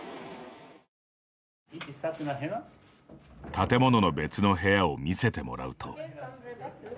建物の別の部屋を見せてもらうと。